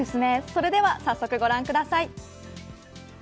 それでは早速ご覧ください。